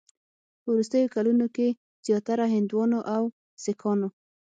په وروستیو کلونو کې زیاتره هندوانو او سیکانو